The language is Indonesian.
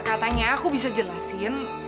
katanya aku bisa jelasin